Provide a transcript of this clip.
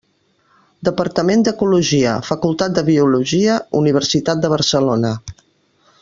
Departament d'Ecologia, Facultat de Biologia, Universitat de Barcelona.